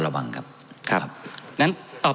ท่านประธานครับนี่คือสิ่งที่สุดท้ายของท่านครับ